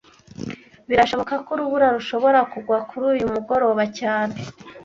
Birashoboka ko urubura rushobora kugwa kuri uyu mugoroba cyane